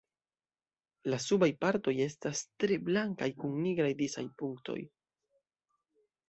La subaj partoj estas tre blankaj kun nigraj disaj punktoj.